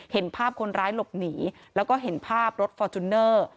เห็นภาพคนร้ายหลบหนีแล้วก็เห็นภาพรถฟอร์จูเนอร์